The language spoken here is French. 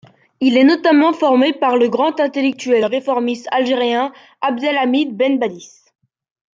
Il est notamment formé par le grand intellectuel réformiste algérien Abdelhamid Ben Badis.